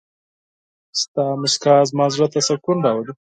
ستا مسکا زما زړه ته سکون راولي.